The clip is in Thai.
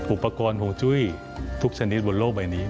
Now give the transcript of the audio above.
อุปกรณ์ฮวงจุ้ยทุกชนิดบนโลกใบนี้